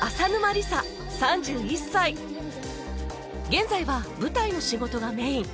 現在は舞台の仕事がメイン